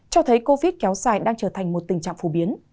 cho thấy covid kéo dài đang trở thành một tình trạng phổ biến